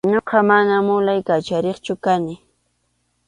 Ñuqa mana mulay kachariqchu kani.